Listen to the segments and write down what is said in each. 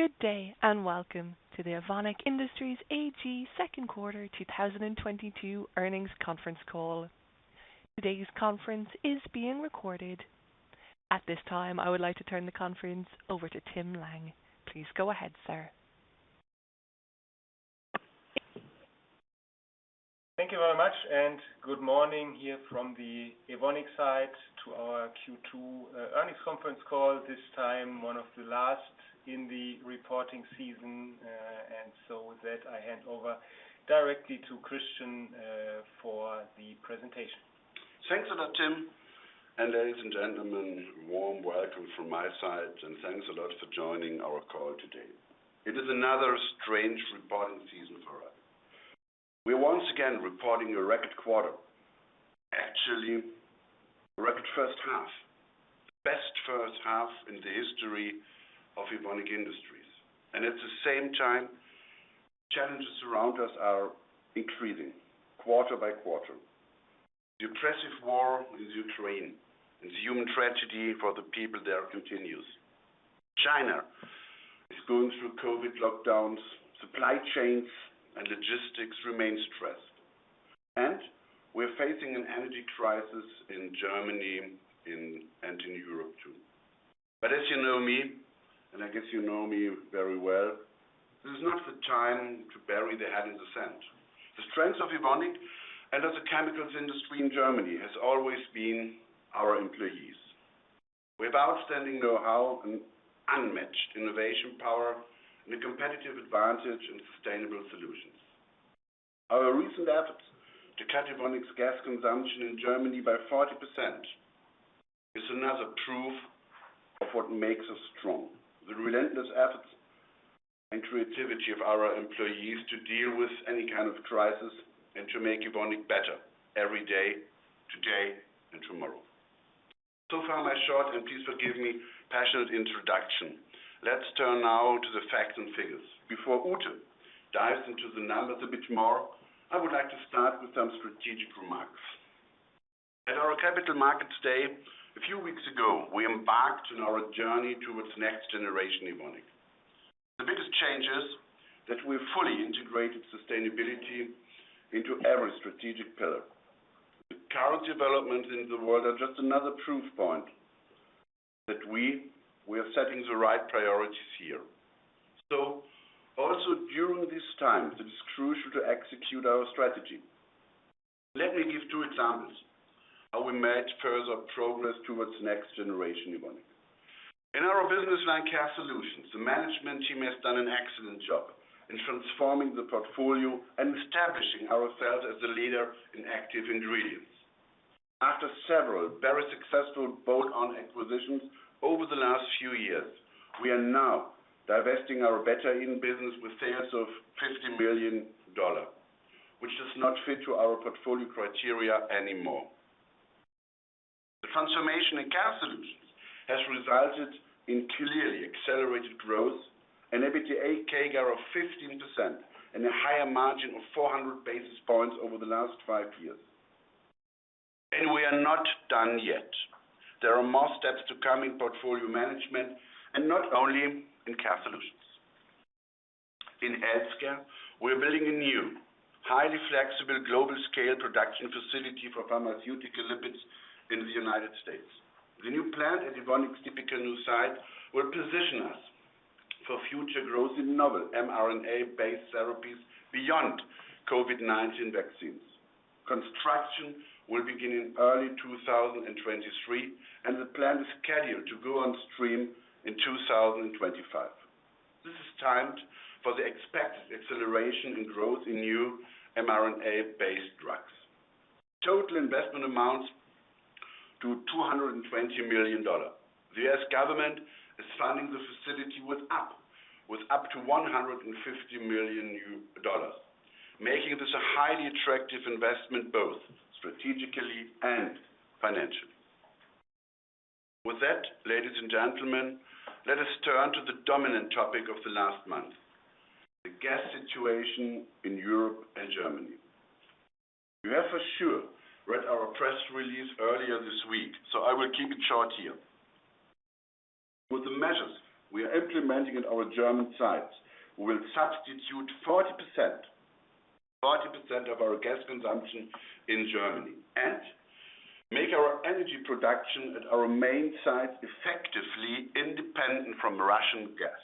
Good day, and welcome to the Evonik Industries AG second quarter 2022 earnings conference call. Today's conference is being recorded. At this time, I would like to turn the conference over to Tim Lange. Please go ahead, sir. Thank you very much, and good morning here from the Evonik side to our Q2 earnings conference call. This time, one of the last in the reporting season, with that, I hand over directly to Christian for the presentation. Thanks a lot, Tim. Ladies and gentlemen, warm welcome from my side, and thanks a lot for joining our call today. It is another strange reporting season for us. We're once again reporting a record quarter. Actually, a record first half. The best first half in the history of Evonik Industries. At the same time, challenges around us are increasing quarter by quarter. The oppressive war in Ukraine and the human tragedy for the people there continues. China is going through COVID lockdowns, supply chains and logistics remain stressed, and we're facing an energy crisis in Germany and in Europe too. As you know me, and I guess you know me very well, this is not the time to bury the head in the sand. The strength of Evonik and as a chemicals industry in Germany has always been our employees. We have outstanding know-how and unmatched innovation power, and a competitive advantage in sustainable solutions. Our recent efforts to cut Evonik's gas consumption in Germany by 40% is another proof of what makes us strong. The relentless efforts and creativity of our employees to deal with any kind of crisis and to make Evonik better every day, today and tomorrow. So far in my short, and please forgive me, passionate introduction. Let's turn now to the facts and figures. Before Ute dives into the numbers a bit more, I would like to start with some strategic remarks. At our Capital Markets Day a few weeks ago, we embarked on our journey towards next generation Evonik. The biggest change is that we've fully integrated sustainability into every strategic pillar. The current developments in the world are just another proof point that we are setting the right priorities here. Also during this time, it is crucial to execute our strategy. Let me give two examples how we manage further progress towards next generation Evonik. In our business line Care Solutions, the management team has done an excellent job in transforming the portfolio and establishing ourselves as a leader in active ingredients. After several very successful bolt-on acquisitions over the last few years, we are now divesting our Betaine business with sales of $50 million, which does not fit to our portfolio criteria anymore. The transformation in Care Solutions has resulted in clearly accelerated growth and EBITDA CAGR of 15% and a higher margin of 400 basis points over the last 5 years. We are not done yet. There are more steps to come in portfolio management and not only in Care Solutions. In healthcare, we're building a new, highly flexible global scale production facility for pharmaceutical lipids in the United States. The new plant at Evonik's Tippecanoe site will position us for future growth in novel mRNA-based therapies beyond COVID-19 vaccines. Construction will begin in early 2023, and the plant is scheduled to go on stream in 2025. This is timed for the expected acceleration in growth in new mRNA-based drugs. Total investment amounts to $220 million. The U.S. government is funding the facility with up to $150 million, making this a highly attractive investment, both strategically and financially. With that, ladies and gentlemen, let us turn to the dominant topic of the last month, the gas situation in Europe and Germany. You have for sure read our press release earlier this week, so I will keep it short here. With the measures we are implementing at our German sites, we will substitute 40% of our gas consumption in Germany and make our energy production at our main sites effectively independent from Russian gas.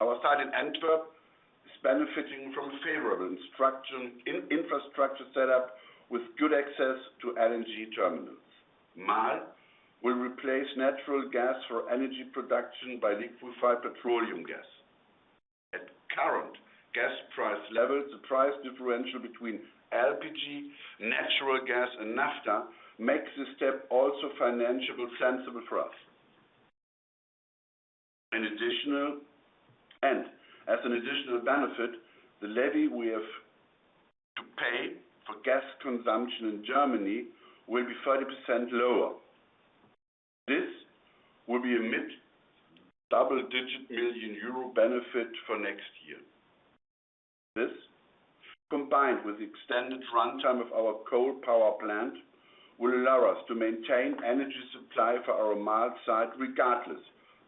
Our site in Antwerp is benefiting from favorable infrastructure setup with good access to LNG terminals. Marl will replace natural gas for energy production by liquefied petroleum gas. At current gas price levels, the price differential between LPG, natural gas, and naphtha makes this step also financially sensible for us. As an additional benefit, the levy we have to pay for gas consumption in Germany will be 30% lower. This will be a mid-double-digit million EUR benefit for next year. This, combined with the extended runtime of our coal power plant, will allow us to maintain energy supply for our Marl site, regardless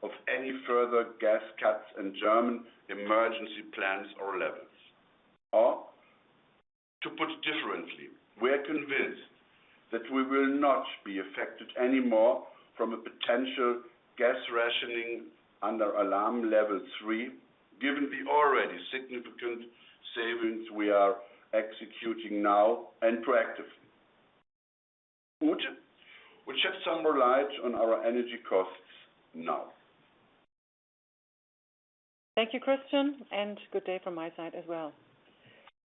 of any further gas cuts in German emergency plans or levels. To put it differently, we are convinced that we will not be affected anymore from a potential gas rationing under Alarm Level 3, given the already significant savings we are executing now and proactively. Ute will shed some more light on our energy costs now. Thank you, Christian, and good day from my side as well.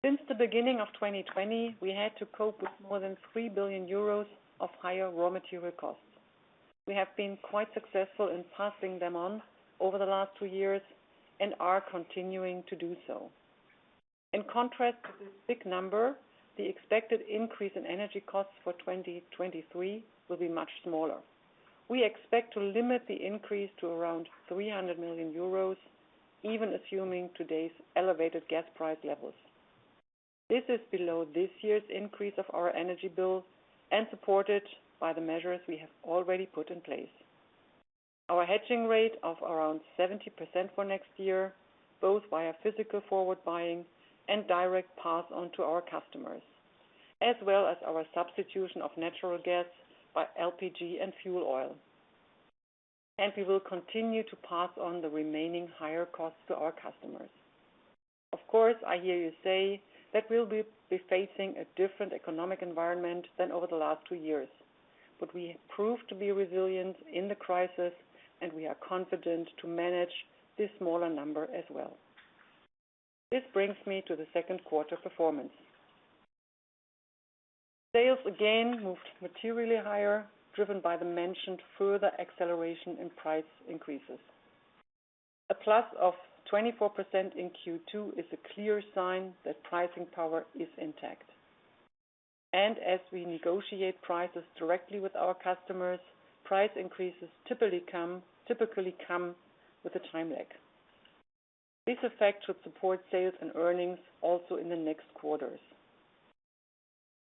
Since the beginning of 2020, we had to cope with more than 3 billion euros of higher raw material costs. We have been quite successful in passing them on over the last 2 years and are continuing to do so. In contrast to this big number, the expected increase in energy costs for 2023 will be much smaller. We expect to limit the increase to around 300 million euros, even assuming today's elevated gas price levels. This is below this year's increase of our energy bill and supported by the measures we have already put in place. Our hedging rate of around 70% for next year, both via physical forward buying and direct pass on to our customers, as well as our substitution of natural gas by LPG and fuel oil. We will continue to pass on the remaining higher costs to our customers. Of course, I hear you say that we'll be facing a different economic environment than over the last 2 years. We proved to be resilient in the crisis, and we are confident to manage this smaller number as well. This brings me to the second quarter performance. Sales again moved materially higher, driven by the mentioned further acceleration in price increases. A +24% in Q2 is a clear sign that pricing power is intact. As we negotiate prices directly with our customers, price increases typically come with a time lag. This effect should support sales and earnings also in the next quarters.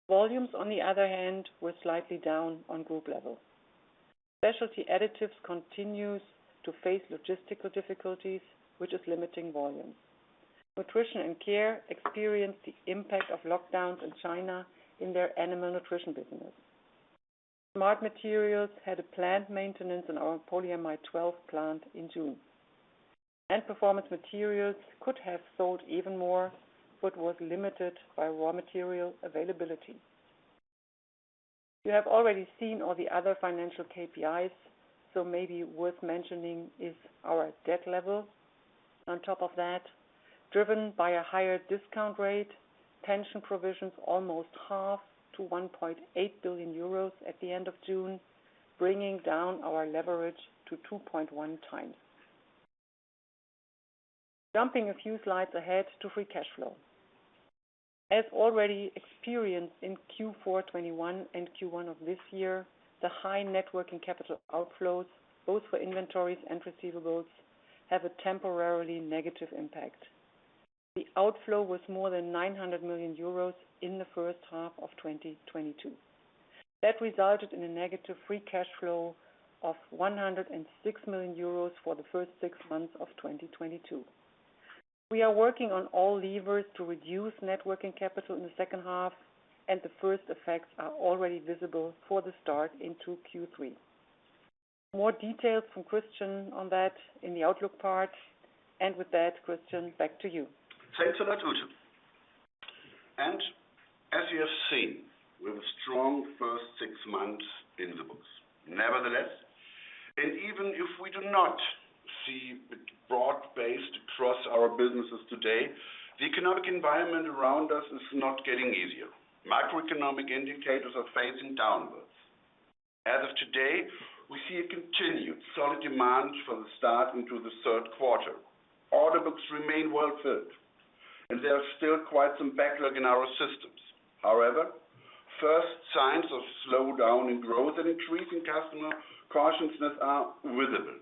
Volumes on the other hand, were slightly down on group level. Specialty Additives continues to face logistical difficulties, which is limiting volumes. Nutrition & Care experienced the impact of lockdowns in China in their animal nutrition business. Smart Materials had a plant maintenance in our Polyamide 12 plant in June. Performance Materials could have sold even more, but was limited by raw material availability. You have already seen all the other financial KPIs, so maybe worth mentioning is our debt level. On top of that, driven by a higher discount rate, pension provisions almost halved to 1.8 billion euros at the end of June, bringing down our leverage to 2.1x. Jumping a few slides ahead to free cash flow. As already experienced in Q4 2021 and Q1 of this year, the high net working capital outflows, both for inventories and receivables, have a temporarily negative impact. The outflow was more than 900 million euros in the first half of 2022. That resulted in a negative free cash flow of 106 million euros for the first 6 months of 2022. We are working on all levers to reduce net working capital in the second half, and the first effects are already visible for the start into Q3. More details from Christian on that in the outlook part. With that, Christian, back to you. Thanks a lot, Ute. As you have seen, we have a strong first 6 months in the books. Nevertheless, and even if we do not see it broad-based across our businesses today, the economic environment around us is not getting easier. Macroeconomic indicators are facing downwards. As of today, we see a continued solid demand for the start into the third quarter. Order books remain well filled, and there are still quite some backlog in our systems. However, first signs of slowdown in growth and increasing customer cautiousness are visible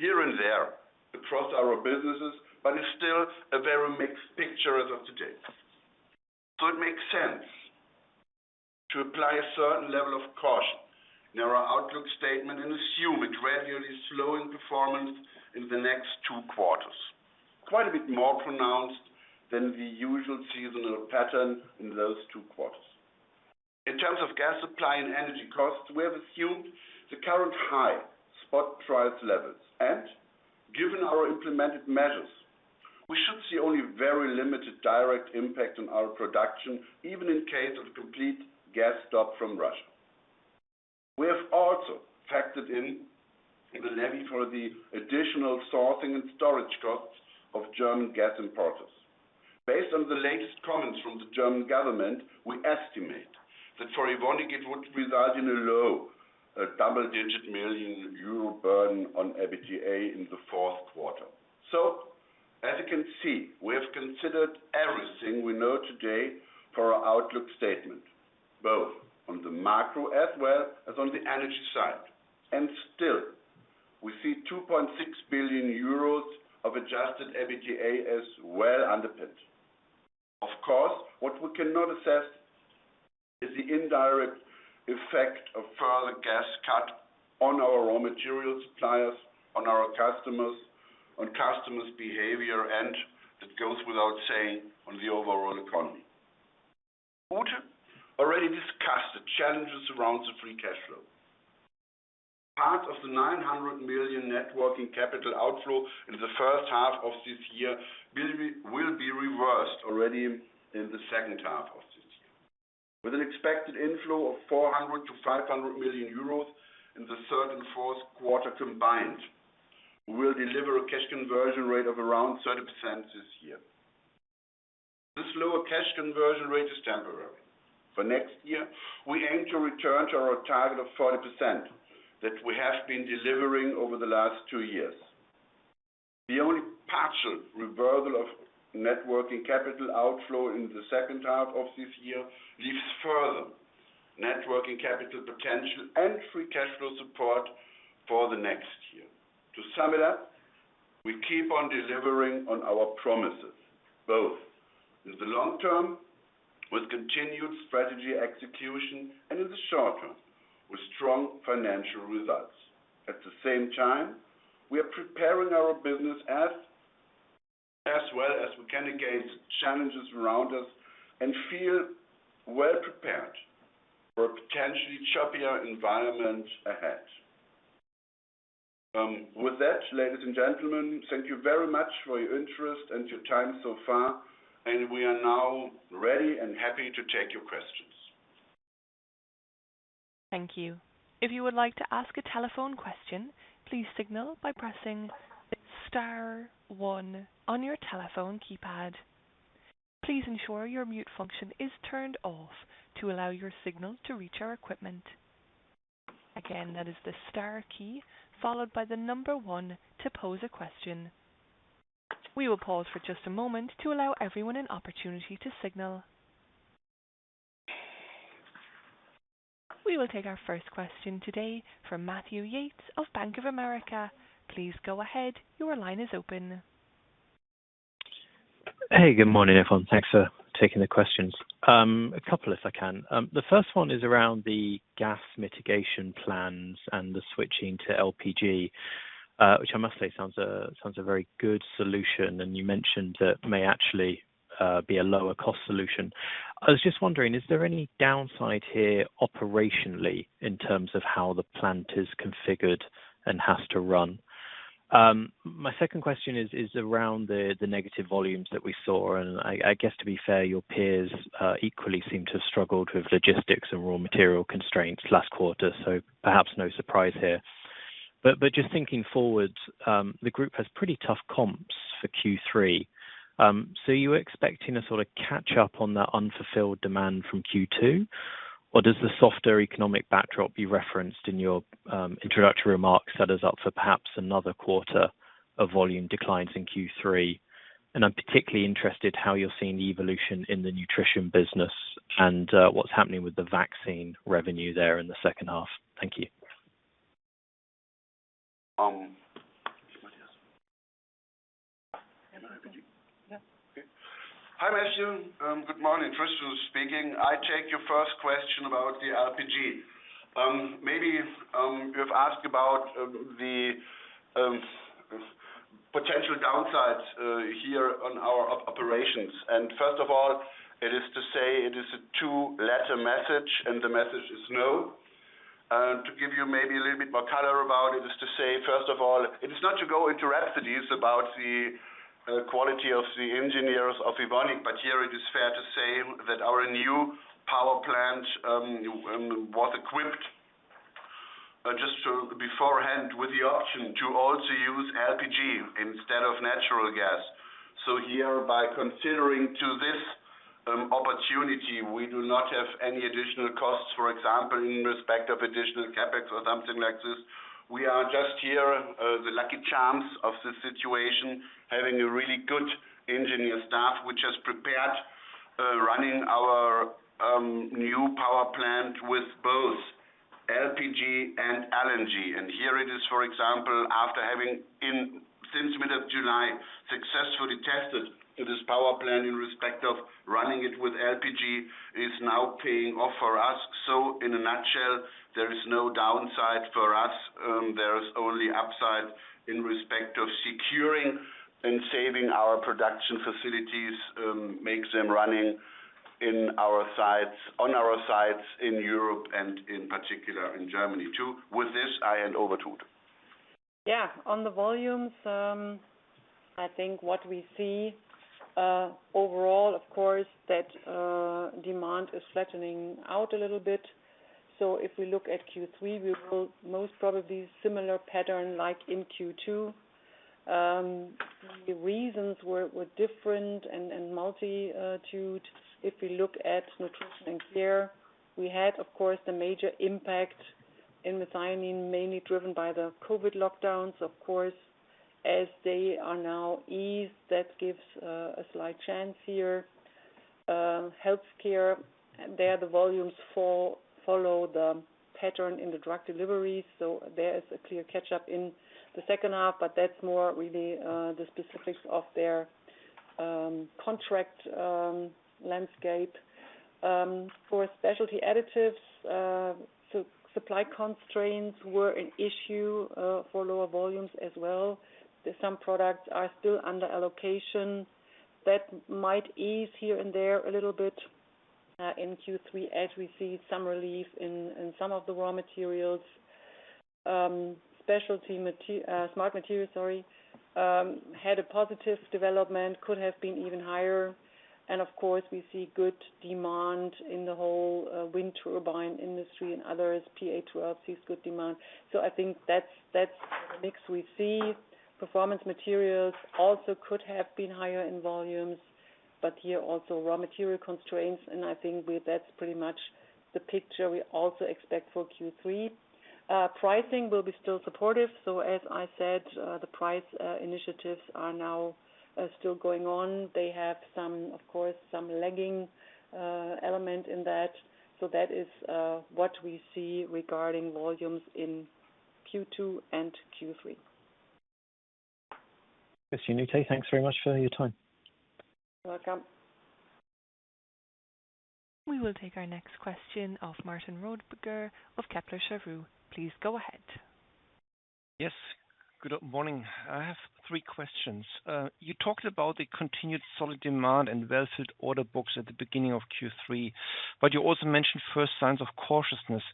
here and there across our businesses, but it's still a very mixed picture as of today. It makes sense to apply a certain level of caution in our outlook statement and assume a gradually slowing performance in the next two quarters. Quite a bit more pronounced than the usual seasonal pattern in those two quarters. In terms of gas supply and energy costs, we have assumed the current high spot price levels. Given our implemented measures, we should see only very limited direct impact on our production, even in case of complete gas stop from Russia. We have also factored in the levy for the additional sourcing and storage costs of German gas importers. Based on the latest comments from the German government, we estimate that for Evonik, it would result in a low double-digit million euro burden on EBITDA in the fourth quarter. As you can see, we have considered everything we know today for our outlook statement, both on the macro as well as on the energy side. Still, we see 2.6 billion euros of adjusted EBITDA as well underpinned. Of course, what we cannot assess is the indirect effect of further gas cut on our raw material suppliers, on our customers, on customers' behavior, and it goes without saying, on the overall economy. Already discussed the challenges around the free cash flow. Part of the 900 million net working capital outflow in the first half of this year will be reversed already in the second half of this year. With an expected inflow of 400 million-500 million euros in the third and fourth quarter combined, we will deliver a cash conversion rate of around 30% this year. This lower cash conversion rate is temporary. For next year, we aim to return to our target of 40% that we have been delivering over the last 2 years. The only partial reversal of net working capital outflow in the second half of this year leaves further net working capital potential and free cash flow support for the next year. To sum it up, we keep on delivering on our promises, both in the long term with continued strategy execution and in the short term with strong financial results. At the same time, we are preparing our business as well as we can against challenges around us and feel well prepared for a potentially choppier environment ahead. With that, ladies and gentlemen, thank you very much for your interest and your time so far, and we are now ready and happy to take your questions. Thank you. If you would like to ask a telephone question, please signal by pressing star one on your telephone keypad. Please ensure your mute function is turned off to allow your signal to reach our equipment. Again, that is the star key followed by the number one to pose a question. We will pause for just a moment to allow everyone an opportunity to signal. We will take our first question today from Matthew Yates of Bank of America. Please go ahead. Your line is open. Hey, good morning, everyone. Thanks for taking the questions. A couple if I can. The first one is around the gas mitigation plans and the switching to LPG, which I must say sounds like a very good solution, and you mentioned it may actually be a lower-cost solution. I was just wondering, is there any downside here operationally in terms of how the plant is configured and has to run? My second question is around the negative volumes that we saw, and I guess to be fair, your peers equally seem to have struggled with logistics and raw material constraints last quarter, so perhaps no surprise here. Just thinking forward, the group has pretty tough comps for Q3. So are you expecting a sort of catch up on that unfulfilled demand from Q2? Does the softer economic backdrop you referenced in your introductory remarks set us up for perhaps another quarter of volume declines in Q3? I'm particularly interested how you're seeing the evolution in the nutrition business and what's happening with the vaccine revenue there in the second half. Thank you. Okay. Hi, Matthew. Good morning. Christian speaking. I take your first question about the LPG. Maybe you've asked about the potential downsides here on our operations. First of all, it is to say it is a two-letter message, and the message is no. To give you maybe a little bit more color about it is to say, first of all, it is not to go into rhapsodize about the quality of the engineers of Evonik, but here it is fair to say that our new power plant was equipped just beforehand with the option to also use LPG instead of natural gas. Here, by considering to this opportunity, we do not have any additional costs, for example, in respect of additional CapEx or something like this. We are just here, the lucky chance of the situation, having a really good engineer staff, which has prepared, running our, new power plant with both LPG and LNG. Here it is, for example, since mid of July successfully tested this power plant in respect of running it with LPG is now paying off for us. In a nutshell, there is no downside for us. There is only upside in respect of securing and saving our production facilities, make them running on our sites in Europe and in particular in Germany too. With this, I hand over to you. Yeah. On the volumes, I think what we see, overall, of course, that demand is flattening out a little bit. If we look at Q3, we will most probably similar pattern like in Q2. The reasons were different and multitude. If we look at Nutrition & Care, we had, of course, the major impact in methionine, mainly driven by the COVID lockdowns. Of course, as they are now eased, that gives a slight chance here. Healthcare, there the volumes follow the pattern in the drug deliveries. There is a clear catch-up in the second half, but that's more really the specifics of their contract landscape. For Specialty Additives, supply constraints were an issue for lower volumes as well. Some products are still under allocation. That might ease here and there a little bit in Q3 as we see some relief in some of the raw materials. Smart Materials, sorry, had a positive development, could have been even higher. Of course, we see good demand in the whole wind turbine industry and others. PA12 sees good demand. I think that's the mix we see. Performance Materials also could have been higher in volumes, but here also raw material constraints, and I think that's pretty much the picture we also expect for Q3. Pricing will be still supportive. As I said, the price initiatives are now still going on. They have some, of course, some lagging element in that. That is what we see regarding volumes in Q2 and Q3. Thanks, Ute. Thanks very much for your time. You're welcome. We will take our next question of Martin Rödiger of Kepler Cheuvreux. Please go ahead. Yes. Good morning. I have three questions. You talked about the continued solid demand and well-filled order books at the beginning of Q3, but you also mentioned first signs of cautiousness.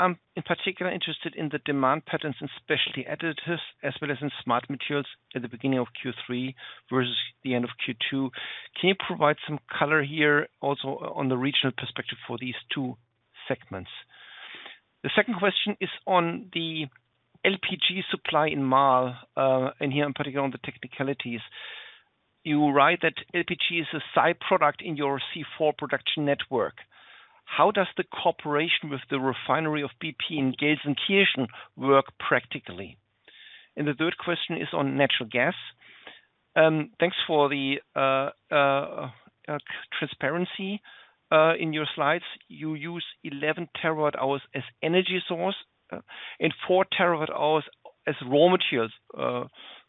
I'm in particular interested in the demand patterns in Specialty Additives, as well as in Smart Materials at the beginning of Q3 versus the end of Q2. Can you provide some color here also on the regional perspective for these two segments? The second question is on the LPG supply in Marl. Here I'm getting into the technicalities. You write that LPG is a side product in your C4 production network. How does the cooperation with the refinery of BP in Gelsenkirchen work practically? The third question is on natural gas. Thanks for the transparency in your slides. You use 11 TWh as energy source and 4 TWh as raw materials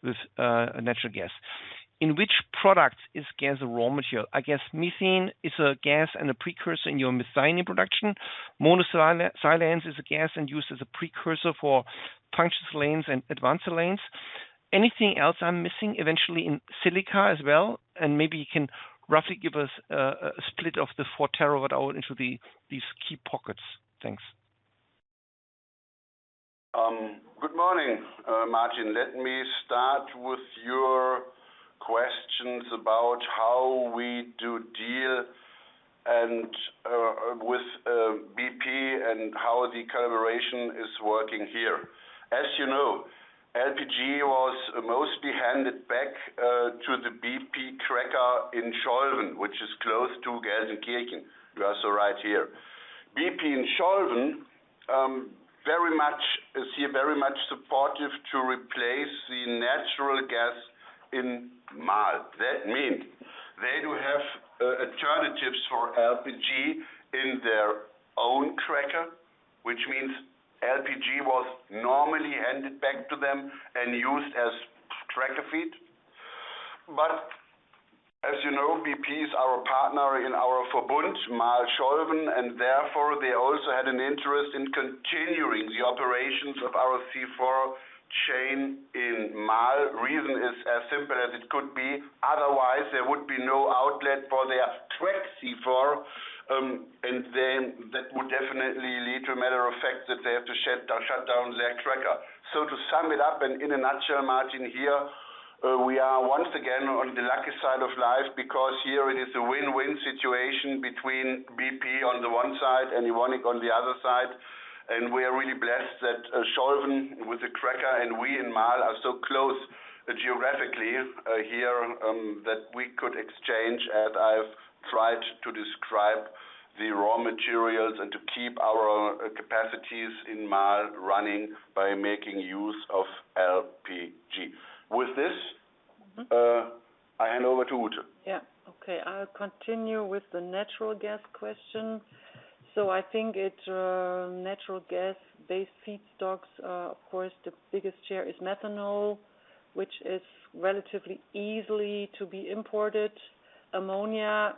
with natural gas. In which product is gas a raw material? I guess methanol is a gas and a precursor in your methanol production. Monosilane is a gas and used as a precursor for functional silanes and advanced silanes. Anything else I'm missing eventually in silica as well? Maybe you can roughly give us a split of the 4 TWh into these key pockets. Thanks. Good morning, Martin. Let me start with your questions about how we deal with BP and how the collaboration is working here. As you know, LPG was mostly handed back to the BP cracker in Scholven, which is close to Gelsenkirchen. You are so right here. BP in Scholven is very much supportive here to replace the natural gas in Marl. That means they do have alternatives for LPG in their own cracker, which means LPG was normally handed back to them and used as cracker feed. But as you know, BP is our partner in our Verbund Marl Scholven, and therefore, they also had an interest in continuing the operations of our C4 chain in Marl. Reason is as simple as it could be. Otherwise, there would be no outlet for their cracker C4, and then that would definitely lead to a matter of fact that they have to shut down their cracker. To sum it up and in a nutshell, Martin, here we are once again on the lucky side of life because here it is a win-win situation between BP on the one side and Evonik on the other side. We are really blessed that Scholven with the cracker and we in Marl are so close geographically that we could exchange, as I've tried to describe the raw materials and to keep our capacities in Marl running by making use of LPG. With this Mm-hmm. I hand over to Ute. Okay. I'll continue with the natural gas question. I think it, natural gas-based feedstocks, of course, the biggest share is methanol, which is relatively easily to be imported. Ammonia,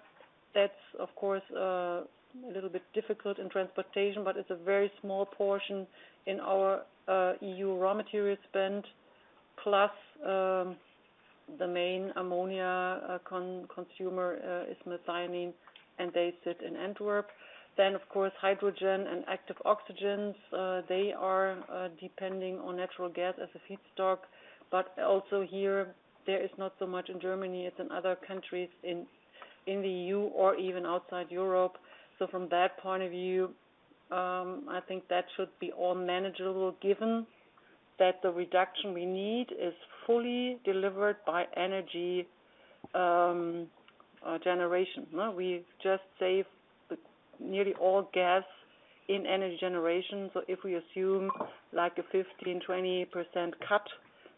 that's of course, a little bit difficult in transportation, but it's a very small portion in our, EU raw material spend, plus, the main ammonia, consumer, is methionine, and they sit in Antwerp. Of course, hydrogen and Active Oxygens, they are, depending on natural gas as a feedstock. But also here, there is not so much in Germany as in other countries in the EU or even outside Europe. From that point of view, I think that should be all manageable given that the reduction we need is fully delivered by energy, generation. No, we just save nearly all gas in energy generation. If we assume like a 15%-20% cut.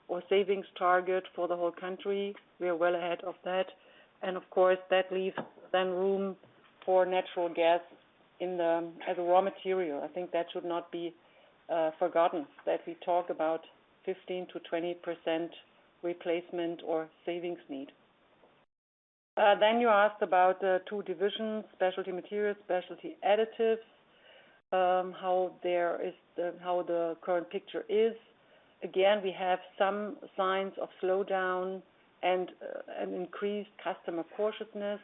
Our savings target for the whole country, we are well ahead of that. Of course, that leaves then room for natural gas as a raw material. I think that should not be forgotten that we talk about 15%-20% replacement or savings need. Then you asked about two divisions, Smart Materials, Specialty Additives, how the current picture is. Again, we have some signs of slowdown and increased customer cautiousness.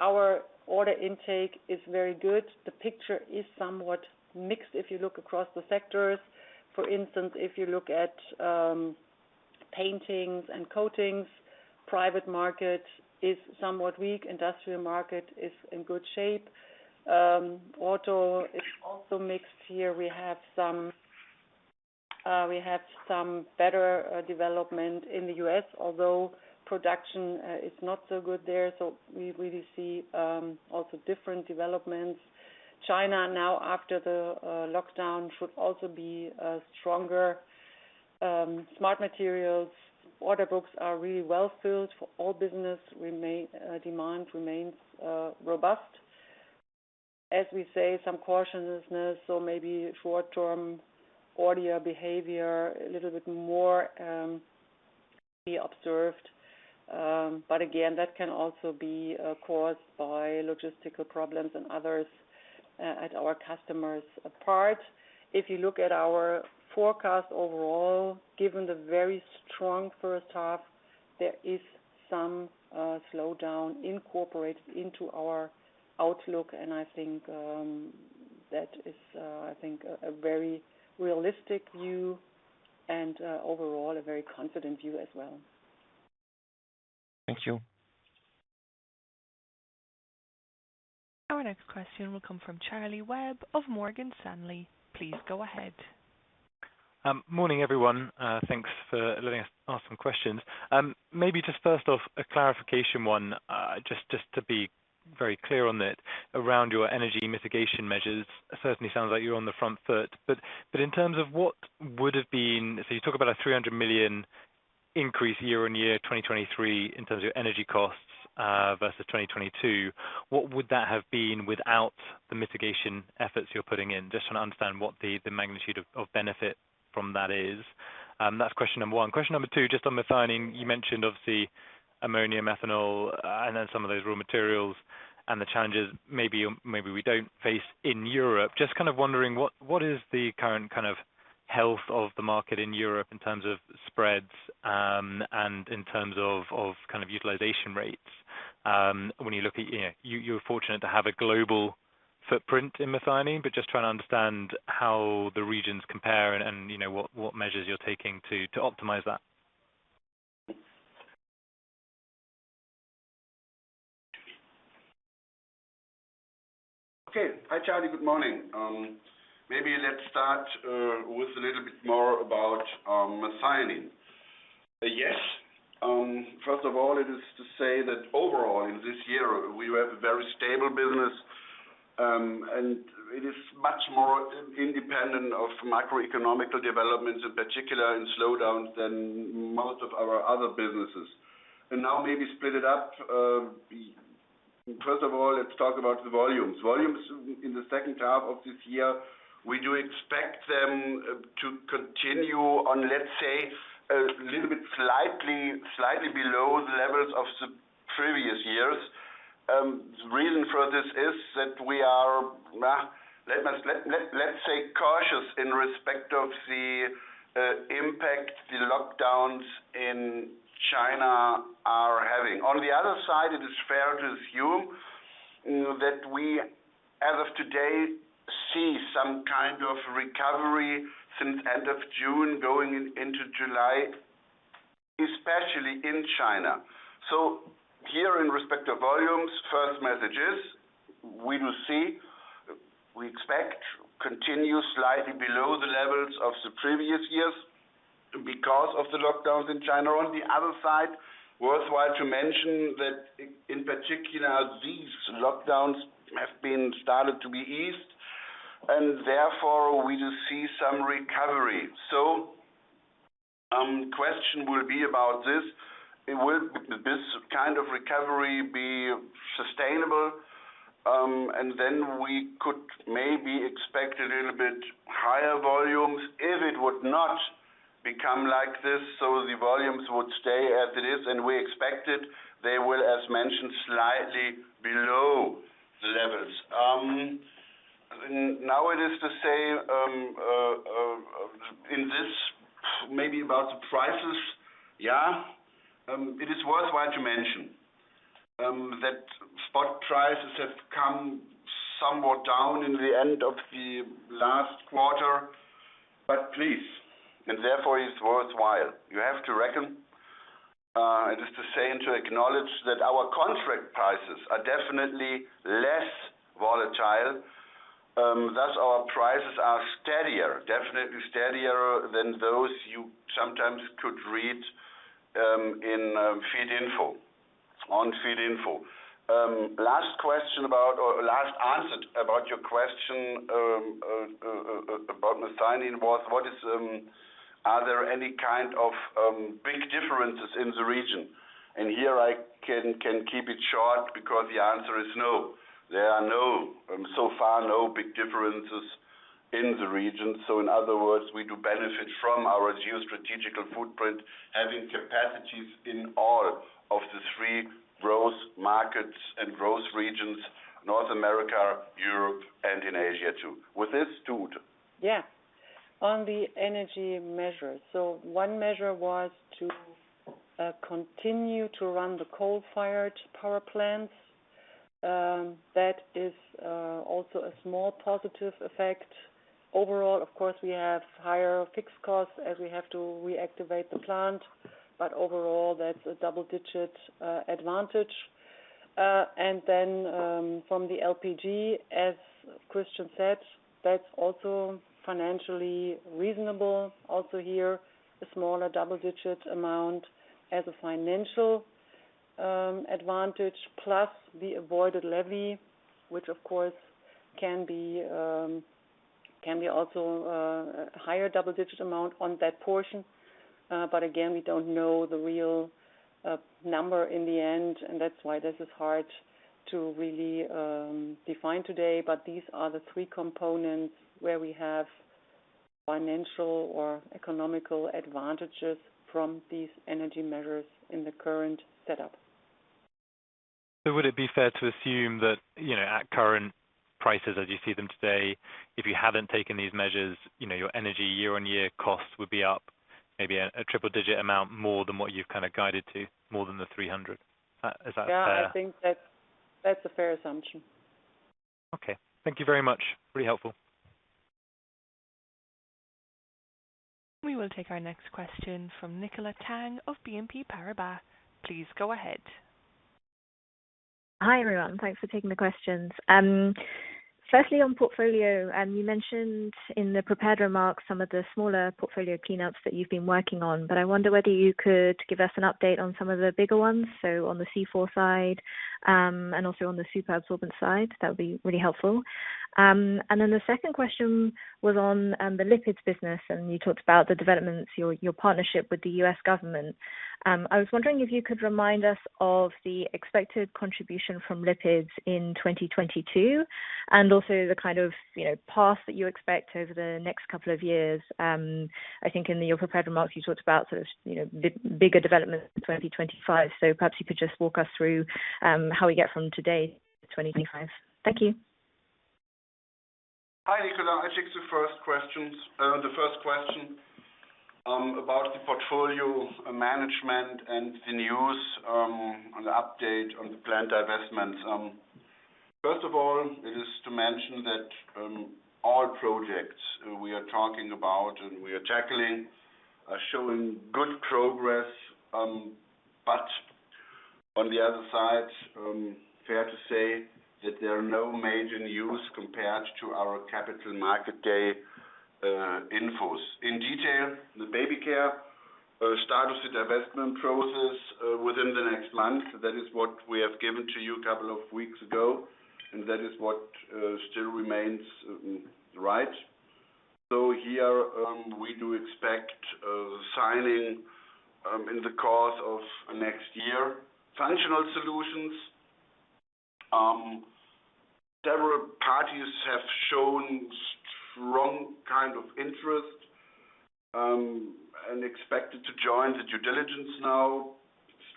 Our order intake is very good. The picture is somewhat mixed if you look across the sectors. For instance, if you look at paints and coatings, plastics market is somewhat weak, industrial market is in good shape. Auto is also mixed here. We have some better development in the U.S., although production is not so good there. We really see also different developments. China now after the lockdown should also be stronger. Smart Materials order books are really well filled. Demand remains robust. As we say, some cautiousness, so maybe short-term order behavior a little bit more be observed. Again, that can also be caused by logistical problems and others at our customers apart. If you look at our forecast overall, given the very strong first half, there is some slowdown incorporated into our outlook, and I think that is a very realistic view and overall a very confident view as well. Thank you. Our next question will come from Charlie Webb of Morgan Stanley. Please go ahead. Morning, everyone. Thanks for letting us ask some questions. Maybe just first off, a clarification one, just to be very clear on it. Around your energy mitigation measures, certainly sounds like you're on the front foot. In terms of what would have been. So you talk about a 300 million increase year-on-year 2023 in terms of your energy costs, versus 2022. What would that have been without the mitigation efforts you're putting in? Just trying to understand what the magnitude of benefit from that is. That's question number one. Question number two, just on methionine, you mentioned obviously ammonia, methanol, and then some of those raw materials and the challenges maybe we don't face in Europe. Just kind of wondering, what is the current kind of health of the market in Europe in terms of spreads, and in terms of kind of utilization rates, when you look at, you know. You're fortunate to have a global footprint in methionine, but just trying to understand how the regions compare and, you know, what measures you're taking to optimize that. Okay. Hi, Charlie. Good morning. Maybe let's start with a little bit more about methionine. Yes. First of all, it's safe to say that overall in this year we have a very stable business, and it is much more independent of macroeconomic developments, in particular in slowdowns than most of our other businesses. Now maybe split it up. First of all, let's talk about the volumes. Volumes in the second half of this year, we do expect them to continue on, let's say, a little bit slightly below the levels of the previous years. Reason for this is that we are let's say cautious in respect of the impact the lockdowns in China are having. On the other side, it is fair to assume that we, as of today, see some kind of recovery since end of June going into July, especially in China. Here in respect to volumes, first message is we expect continue slightly below the levels of the previous years because of the lockdowns in China. On the other side, worthwhile to mention that in particular, these lockdowns have been started to be eased, and therefore we do see some recovery. Question will be about this. Will this kind of recovery be sustainable? Then we could maybe expect a little bit higher volumes. If it would not become like this, so the volumes would stay as it is, and we expect it, they will, as mentioned, slightly below the levels. Now it is to say, in this maybe about the prices, yeah. It is worthwhile to mention that spot prices have come somewhat down in the end of the last quarter, but please, and therefore it's worthwhile. You have to reckon, it is to say and to acknowledge that our contract prices are definitely less volatile, thus our prices are steadier, definitely steadier than those you sometimes could read in Feedinfo. Last answered about your question about methionine was, are there any kind of big differences in the region? Here I can keep it short because the answer is no. There are no, so far, no big differences in the region. In other words, we do benefit from our geostrategic footprint, having capacities in all of the three growth markets and growth regions, North America, Europe, and in Asia too. With this, Ute. Yeah. On the energy measures. One measure was to continue to run the coal-fired power plants. That is also a small positive effect. Overall, of course, we have higher fixed costs as we have to reactivate the plant, but overall, that's a double-digit advantage. From the LPG, as Christian said, that's also financially reasonable. Also here, a smaller double-digit amount as a financial advantage plus the avoided levy, which of course, can be also a higher double-digit amount on that portion. Again, we don't know the real number in the end, and that's why this is hard to really define today. These are the three components where we have financial or economic advantages from these energy measures in the current setup. Would it be fair to assume that, you know, at current prices as you see them today, if you haven't taken these measures, you know, your energy year-on-year cost would be up maybe a triple digit amount more than what you've kind of guided to, more than the 300 million? Is that fair? Yeah, I think that's a fair assumption. Okay. Thank you very much. Pretty helpful. We will take our next question from Nicola Tang of BNP Paribas. Please go ahead. Hi, everyone. Thanks for taking the questions. Firstly, on portfolio, you mentioned in the prepared remarks some of the smaller portfolio cleanups that you've been working on, but I wonder whether you could give us an update on some of the bigger ones. On the C4 side, and also on the superabsorbent side, that would be really helpful. The second question was on the lipids business, and you talked about the developments, your partnership with the U.S. government. I was wondering if you could remind us of the expected contribution from lipids in 2022 and also the kind of path that you expect over the next couple of years. I think in your prepared remarks, you talked about sort of bigger development in 2025. Perhaps you could just walk us through how we get from today to 2025. Thank you. Hi, Nicola. I'll take the first question about the portfolio management and the news on the update on the planned divestments. First of all, it's worth mentioning that all projects we are talking about and we are tackling are showing good progress, but on the other side, fair to say that there are no major news compared to our Capital Markets Day info. In detail, the Baby Care status divestment process within the next month. That is what we have given to you a couple of weeks ago, and that is what still remains right. Here, we do expect signing in the course of next year. Functional Solutions. Several parties have shown strong kind of interest and expected to join the due diligence now.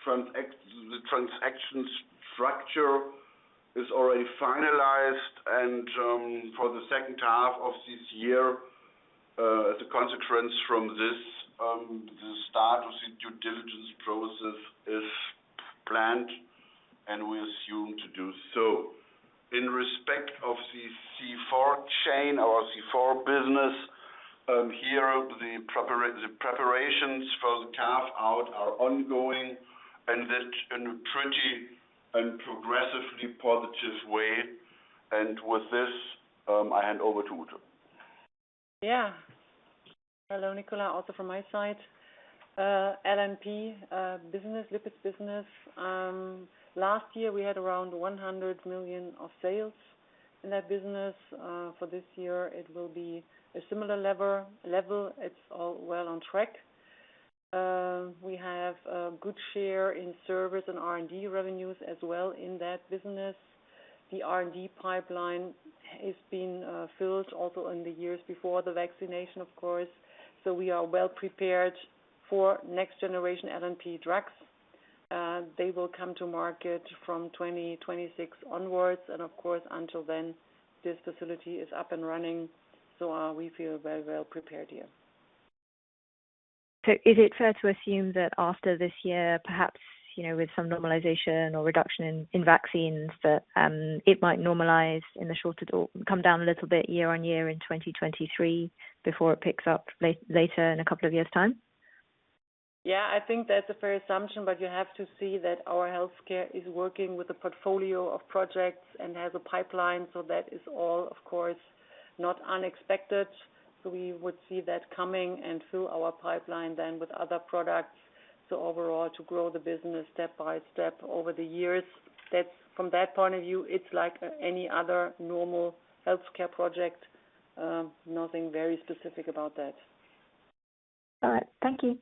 The transaction structure is already finalized and, for the second half of this year, the consequence from this, the start of the due diligence process is planned, and we assume to do so. In respect of the C4 chain or C4 business, here the preparations for the carve-out are ongoing and that in a pretty and progressively positive way. With this, I hand over to Ute. Hello, Nicola. Also from my side, LNP business, lipids business. Last year, we had around 100 million of sales in that business. For this year, it will be a similar level. It's all well on track. We have a good share in service and R&D revenues as well in that business. The R&D pipeline is being filled also in the years before the vaccination, of course. We are well prepared for next generation LNP drugs. They will come to market from 2026 onwards, and of course, until then, this facility is up and running. We feel very well prepared. Is it fair to assume that after this year, perhaps, you know, with some normalization or reduction in vaccines, that it might normalize or come down a little bit year-on-year in 2023 before it picks up later in a couple of years' time? Yeah, I think that's a fair assumption, but you have to see that our healthcare is working with a portfolio of projects and has a pipeline. That is all, of course not unexpected. We would see that coming and through our pipeline then with other products. Overall to grow the business step by step over the years. That. From that point of view, it's like any other normal health care project. Nothing very specific about that. All right. Thank you.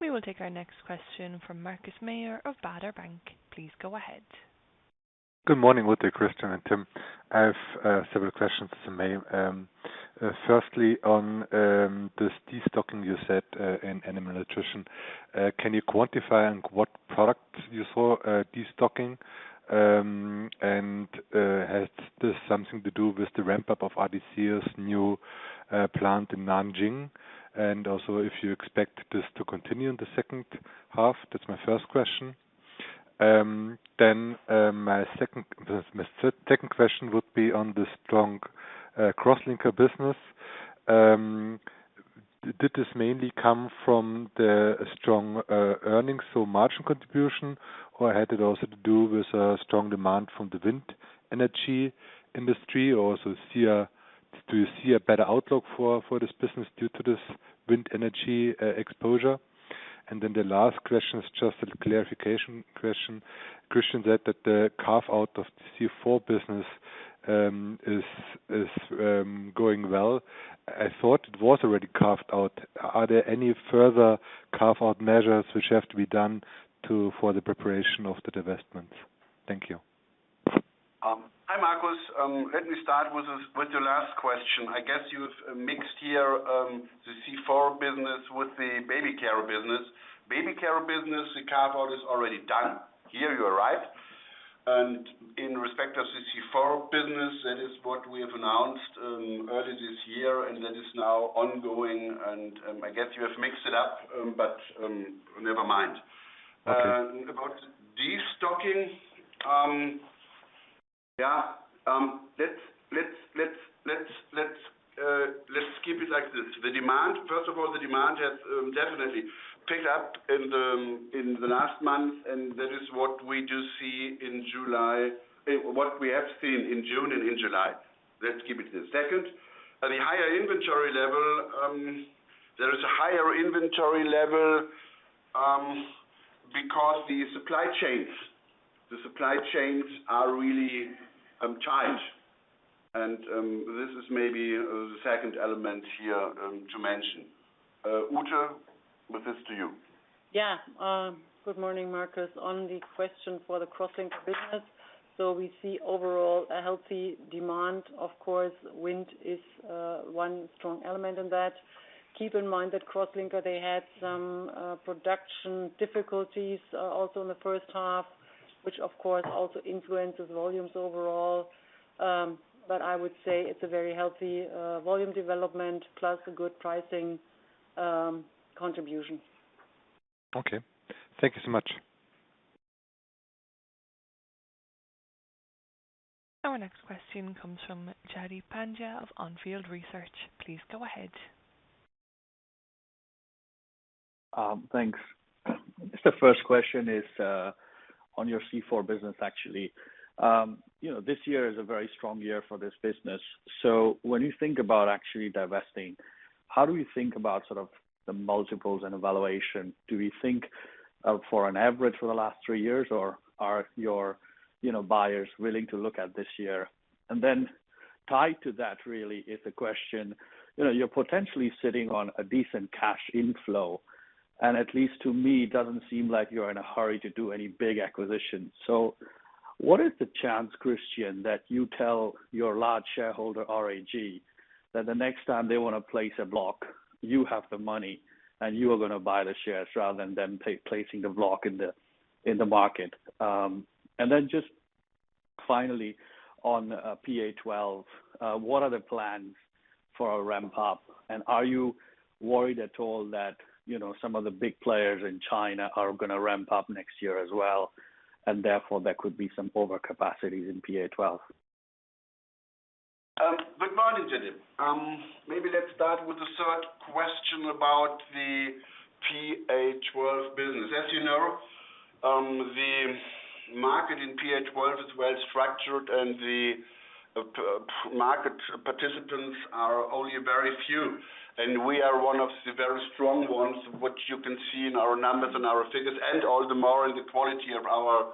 We will take our next question from Markus Mayer of Baader Bank. Please go ahead. Good morning, Ute, Christian and Tim. I have several questions to make. Firstly, on this destocking you said in animal nutrition, can you quantify on what products you saw destocking? And has this something to do with the ramp up of Adisseo's new plant in Nanjing? And also if you expect this to continue in the second half? That's my first question. Then, this is my third. Second question would be on the strong Crosslinkers business. Did this mainly come from the strong earnings, so margin contribution, or had it also to do with a strong demand from the wind energy industry? Do you see a better outlook for this business due to this wind energy exposure? And then the last question is just a clarification question. Christian Kullmann said that the carve-out of C4 business is going well. I thought it was already carved out. Are there any further carve-out measures which have to be done for the preparation of the divestment? Thank you. Hi, Markus. Let me start with your last question. I guess you've mixed here the C4 business with the Baby Care business. Baby Care business, the carve-out is already done. Here you're right. In respect of the C4 business, that is what we have announced earlier this year, and that is now ongoing. I guess you have mixed it up, but never mind. Okay. About destocking. Yeah, let's keep it like this. First of all, the demand has definitely picked up in the last month, and that is what we do see in July. What we have seen in June and in July. Let's keep it this. Second, there is a higher inventory level because the supply chains are really tight. This is maybe the second element here to mention. Ute, with this to you. Yeah. Good morning, Markus. On the question for the Crosslinkers business. We see overall a healthy demand. Of course, wind is one strong element in that. Keep in mind that Crosslinkers, they had some production difficulties also in the first half, which of course also influences volumes overall. I would say it's a very healthy volume development plus a good pricing contribution. Okay. Thank you so much. Our next question comes from Jaideep Pandya of On Field Research. Please go ahead. Thanks. First question is on your C4 business, actually. You know, this year is a very strong year for this business. When you think about actually divesting, how do you think about sort of the multiples and valuation? Do we think for an average for the last 3 years, or are your, you know, buyers willing to look at this year? And then tied to that really is the question, you know, you're potentially sitting on a decent cash inflow, and at least to me, it doesn't seem like you're in a hurry to do any big acquisitions. What is the chance, Christian, that you tell your large shareholder, RAG, that the next time they want to place a block, you have the money and you are gonna buy the shares rather than them placing the block in the market? Just finally on PA12, what are the plans for a ramp up? Are you worried at all that, you know, some of the big players in China are gonna ramp up next year as well, and therefore there could be some overcapacity in PA12? Good morning, Jaideep Pandya. Maybe let's start with the third question about the PA12 business. As you know, the market in PA12 is well-structured and the PA12 market participants are only a very few, and we are one of the very strong ones, which you can see in our numbers and our figures and all the more in the quality of our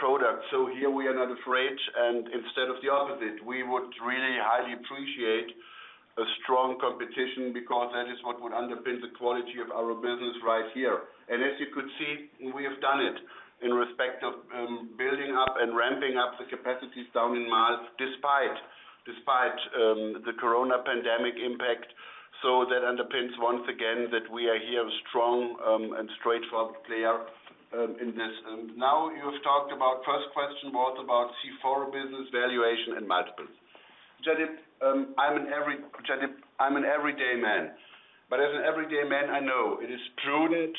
products. Here we are not afraid, and instead of the opposite, we would really highly appreciate a strong competition because that is what would underpin the quality of our business right here. As you could see, we have done it in respect of building up and ramping up the capacities down in Marl despite the COVID-19 pandemic impact. That underpins once again that we are here a strong and straightforward player in this. Now you've talked about first question was about C4 business valuation and multiples. Jaideep Pandya, I'm an everyday man. As an everyday man, I know it is prudent,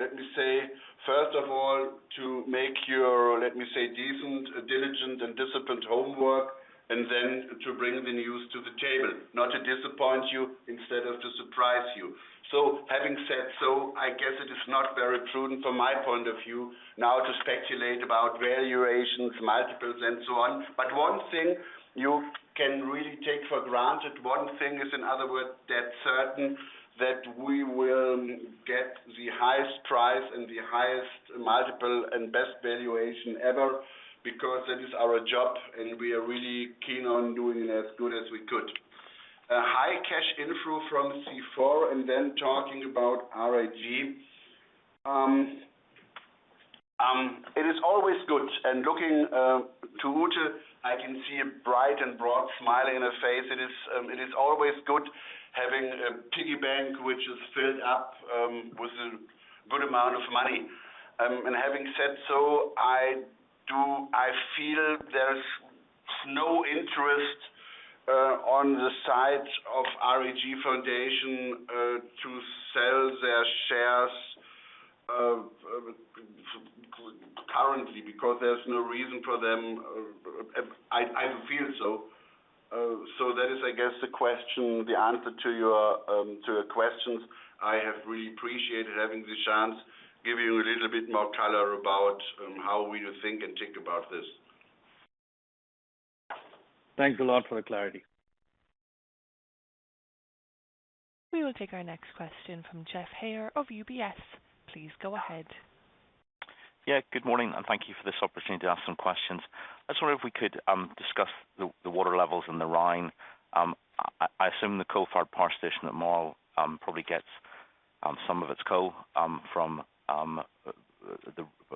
let me say, first of all, to make your, let me say, decent, diligent, and disciplined homework, and then to bring the news to the table, not to disappoint you instead of to surprise you. Having said so, I guess it is not very prudent from my point of view now to speculate about valuations, multiples, and so on. One thing you can really take for granted, one thing is, in other words, dead certain that we will get the highest price and the highest multiple and best valuation ever because that is our job, and we are really keen on doing as good as we could. High cash inflow from C4, and then talking about RAG-Stiftung. It is always good. Looking to Ute, I can see a bright and broad smile on her face. It is always good having a piggy bank which is filled up with a good amount of money. Having said so, I feel there's no interest on the side of RAG-Stiftung to sell their shares currently because there's no reason for them. I feel so. That is, I guess, the answer to your questions. I have really appreciated having this chance, give you a little bit more color about how we think about this. Thanks a lot for the clarity. We will take our next question from Geoff Haire of UBS. Please go ahead. Yeah, good morning, and thank you for this opportunity to ask some questions. I just wonder if we could discuss the water levels in the Rhine. I assume the coal-fired power station at Marl probably gets some of its coal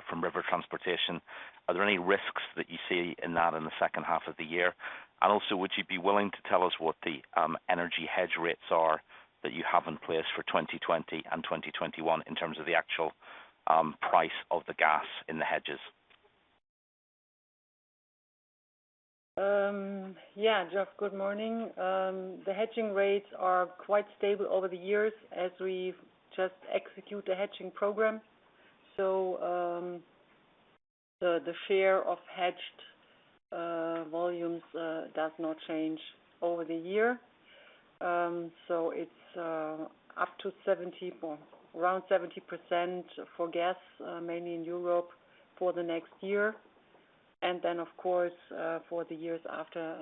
from river transportation. Are there any risks that you see in that in the second half of the year? And also, would you be willing to tell us what the energy hedge rates are that you have in place for 2020 and 2021 in terms of the actual price of the gas in the hedges? Yeah, Geoff, good morning. The hedging rates are quite stable over the years as we just execute a hedging program. The share of hedged volumes does not change over the year. It's around 70% for gas, mainly in Europe for the next year. Then, of course, for the years after,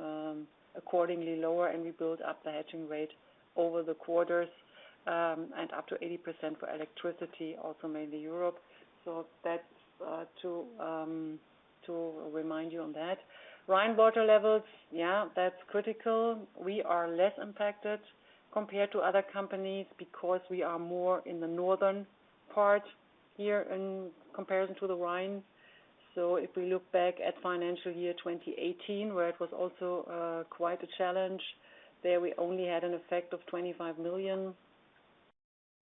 accordingly lower, and we build up the hedging rate over the quarters, and up to 80% for electricity also mainly Europe. That's to remind you on that. Rhine water levels, yeah, that's critical. We are less impacted compared to other companies because we are more in the northern part here in comparison to the Rhine. If we look back at financial year 2018, where it was also quite a challenge, there we only had an effect of 25 million.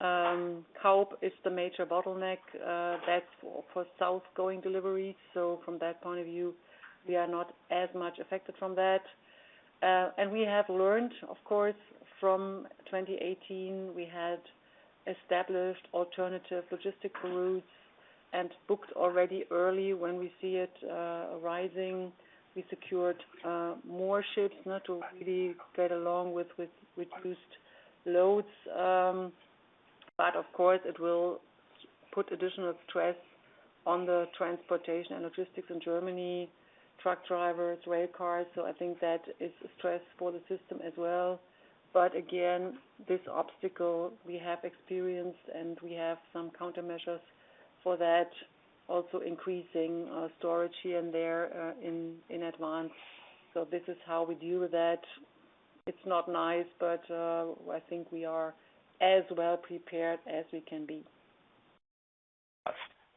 Kaub is the major bottleneck, that's for south-going deliveries. From that point of view, we are not as much affected from that. We have learned, of course, from 2018. We had established alternative logistical routes and booked already early when we see it arising. We secured more ships now to really get along with reduced loads. Of course, it will put additional stress on the transportation and logistics in Germany, truck drivers, rail cars. I think that is a stress for the system as well. Again, this obstacle we have experienced, and we have some countermeasures for that, also increasing storage here and there in advance. This is how we deal with that. It's not nice, but I think we are as well prepared as we can be.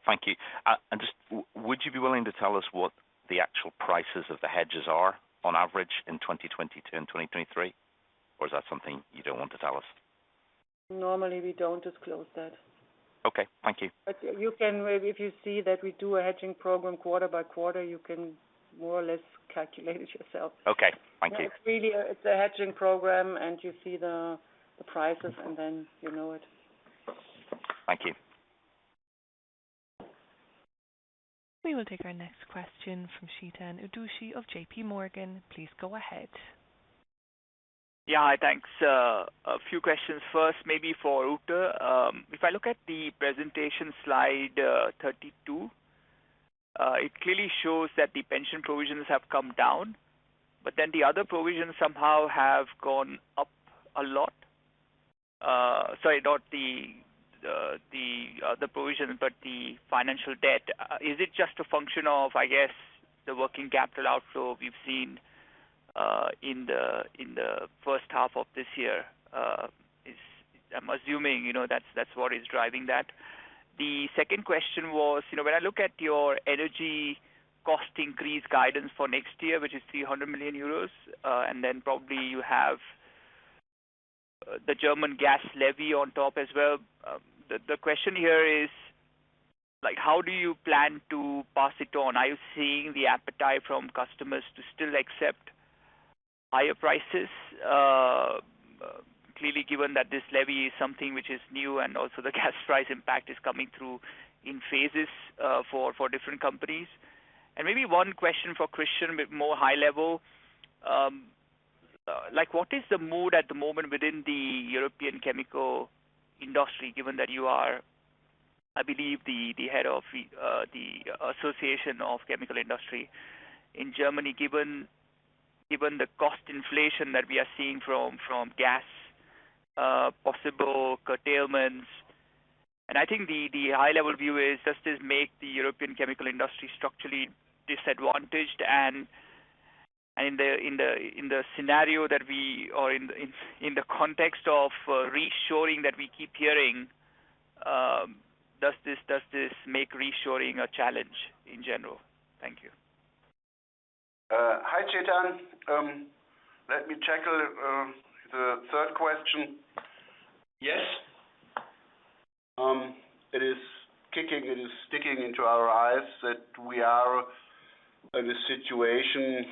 Thank you. Just would you be willing to tell us what the actual prices of the hedges are on average in 2022 and 2023? Or is that something you don't want to tell us? Normally, we don't disclose that. Okay, thank you. If you see that we do a hedging program quarter by quarter, you can more or less calculate it yourself. Okay, thank you. It's a hedging program, and you see the prices, and then you know it. Thank you. We will take our next question from Chetan Udeshi of JPMorgan. Please go ahead. Yeah. Hi. Thanks. A few questions first, maybe for Ute. If I look at the presentation slide 32, it clearly shows that the pension provisions have come down, but then the other provisions somehow have gone up a lot. Sorry, not the provision, but the financial debt. Is it just a function of, I guess, the working capital outflow we've seen in the first half of this year? I'm assuming, you know, that's what is driving that. The second question was, you know, when I look at your energy cost increase guidance for next year, which is 300 million euros, and then probably you have the German gas levy on top as well. The question here is, like, how do you plan to pass it on? Are you seeing the appetite from customers to still accept higher prices? Clearly given that this levy is something which is new and also the gas price impact is coming through in phases, for different companies. Maybe one question for Christian, but more high-level. What is the mood at the moment within the European chemical industry, given that you are, I believe, the head of the Verband der Chemischen Industrie in Germany, given the cost inflation that we are seeing from gas, possible curtailments. I think the high level view is, does this make the European chemical industry structurally disadvantaged and in the scenario that we or in the context of reshoring that we keep hearing, does this make reshoring a challenge in general? Thank you. Hi, Chetan. Let me tackle the third question. Yes. It is staring us in the face that we are in a situation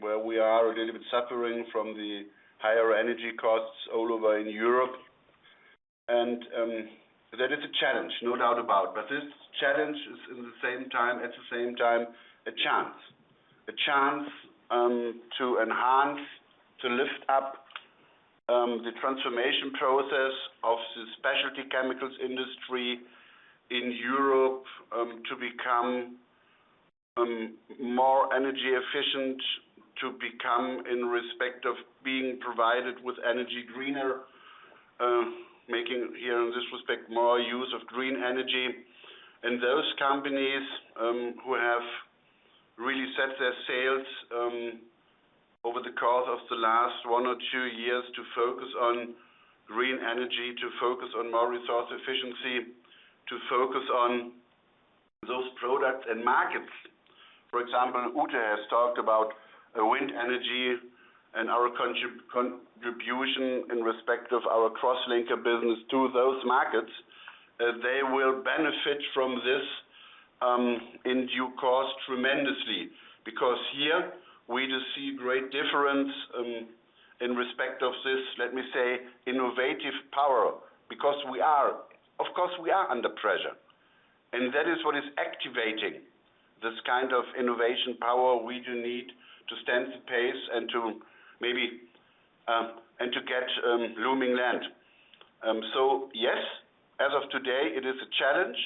where we are a little bit suffering from the higher energy costs all over in Europe. That is a challenge, no doubt about. But this challenge is at the same time a chance. A chance to enhance, to lift up the transformation process of the specialty chemicals industry in Europe to become more energy efficient, to become in respect of being provided with energy greener, making you know in this respect more use of green energy. Those companies who have really set their sails over the course of the last 1 or 2 years to focus on green energy, to focus on more resource efficiency, to focus on those products and markets. For example, Ute has talked about wind energy and our contribution in respect of our Crosslinkers business to those markets, they will benefit from this in due course tremendously. Because here we just see great difference in respect of this, let me say, innovative power. Because we are, of course, under pressure, and that is what is activating this kind of innovation power we do need to stand the pace and to maybe and to get looming land. Yes, as of today, it is a challenge,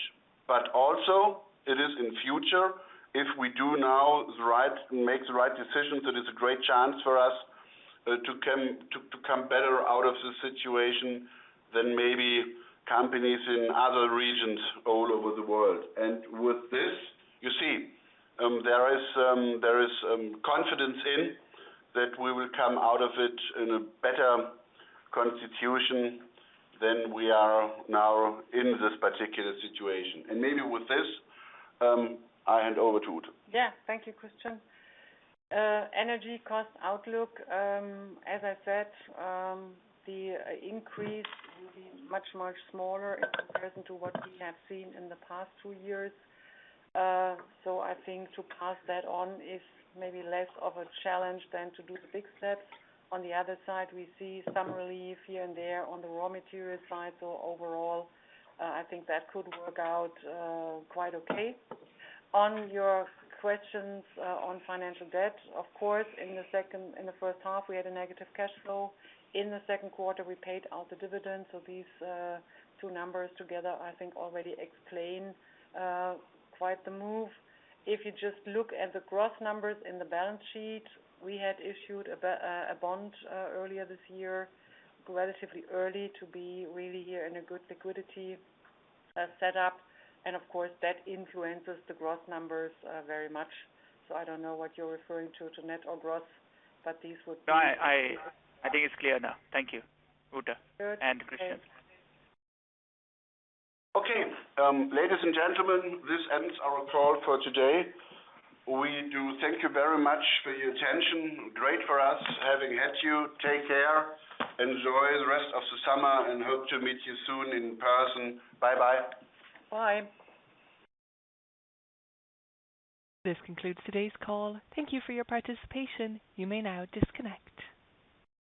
but also it is in future, if we make the right decisions, it is a great chance for us to come better out of the situation than maybe companies in other regions all over the world. With this, there is confidence in that we will come out of it in a better constitution than we are now in this particular situation. Maybe with this, I hand over to Ute. Yeah. Thank you, Christian. Energy cost outlook, as I said, the increase will be much, much smaller in comparison to what we have seen in the past 2 years. So I think to pass that on is maybe less of a challenge than to do the big steps. On the other side, we see some relief here and there on the raw material side. So overall, I think that could work out quite okay. On your questions on financial debt, of course, in the first half, we had a negative cash flow. In the second quarter, we paid out the dividends. So these two numbers together, I think, already explain quite the move. If you just look at the gross numbers in the balance sheet, we had issued a bond earlier this year, relatively early to be really here in a good liquidity setup. Of course, that influences the gross numbers very much. I don't know what you're referring to net or gross, but these would be. No, I think it's clear now. Thank you, Ute and Christian. Okay. Ladies and gentlemen, this ends our call for today. We do thank you very much for your attention. Great for us having had you. Take care. Enjoy the rest of the summer and hope to meet you soon in person. Bye-bye. Bye. This concludes today's call. Thank you for your participation. You may now disconnect.